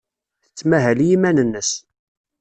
Tettmahal i yiman-nnes.